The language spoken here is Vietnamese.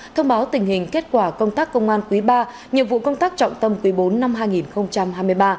thông báo tình hình kết quả công tác công an quý ba nhiệm vụ công tác trọng tâm quý bốn năm hai nghìn hai mươi ba